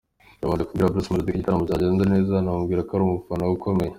Yabanje kubwira Bruce Melodie ko igitaramo cyagenze neza anamubwira ko ari umufana we ukomeye.